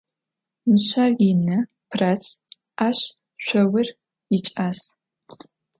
Mışser yinı, pırats, aş şsour yiç'as.